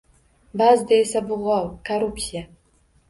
Baʼzida esa bu g‘ov – korrupsiya.